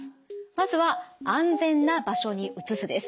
まずは安全な場所に移すです。